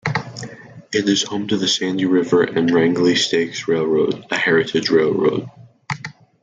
It is home to the Sandy River and Rangeley Lakes Railroad, a heritage railroad.